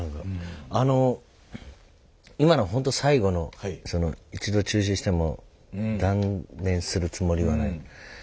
あの今のほんと最後の「一度中止しても断念するつもりはない」。